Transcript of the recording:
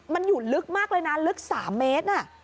มันอยู่ลึกมากเลยนะลึก๓เมตร